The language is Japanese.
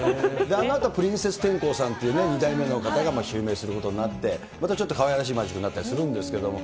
今はプリンセス天功さんっていう２代目の方が襲名することになって、またちょっとかわいらしいマジックになったりするんですけど。